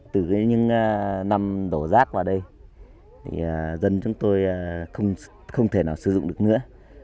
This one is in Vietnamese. từ những năm đổ rác vào đây dân chúng tôi không thể nào sử dụng được nữa